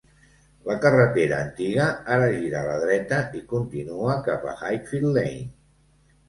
La carretera antiga ara gira a la dreta i continua cap a Highfield Lane.